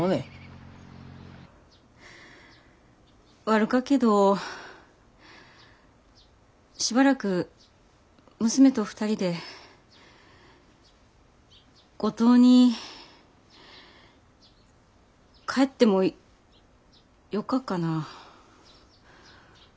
悪かけどしばらく娘と２人で五島に帰ってもよかかな？